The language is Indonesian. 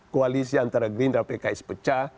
koalisi antara green dan pks pecah